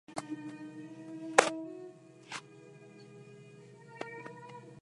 No tienen sacos de aire.